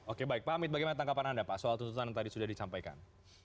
oke baik pak amit bagaimana tanggapan anda pak soal tuntutan yang tadi sudah disampaikan